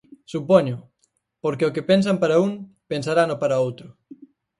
Supóñoo, porque o que pensan para un, pensarano para outro.